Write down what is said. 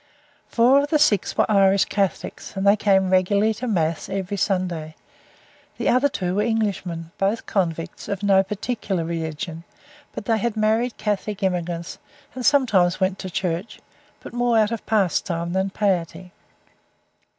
Four of the six were Irish Catholics, and they came regularly to Mass every Sunday; the other two were Englishmen, both convicts, of no particular religion, but they had married Catholic immigrants, and sometimes went to church, but more out of pastime than piety.